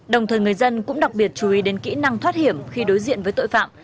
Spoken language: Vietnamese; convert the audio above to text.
đồng thời người dân cũng đặc biệt chú ý đến kỹ năng thoát hiểm khi đối diện với tội phạm